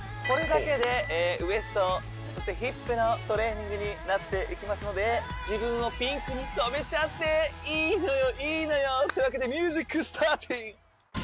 これだけでウエストそしてヒップのトレーニングになっていきますので自分をピンクに染めちゃっていいのよいいのよというわけでミュージックスターティン